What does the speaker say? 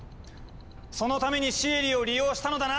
そのためにシエリを利用したのだな！